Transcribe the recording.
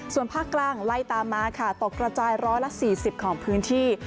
ส่วนภาคกลางไล่ตามมาค่ะตกกระจาย๑๔๐ของพื้นที่